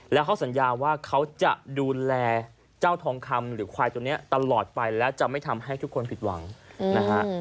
แล้วเขาสัญญาว่าเขาจะดูแลเจ้าทองคำหรือควายตัวนี้ตลอดไปแล้วจะไม่ทำให้ทุกคนผิดหวังนะฮะ